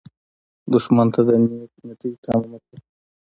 دښمن ته د نېک نیتي تمه مه کوه